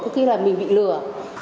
cứ khi là mình bị lừa